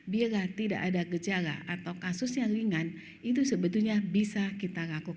bila tidak ada gejala atau kasus yang ringan itu sebetulnya bisa kita lakukan